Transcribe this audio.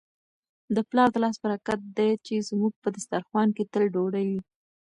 د پلار د لاس برکت دی چي زموږ په دسترخوان کي تل ډوډۍ وي.